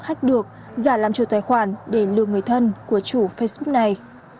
hack được giả làm trù tài khoản để lừa người thân của chủ facebook này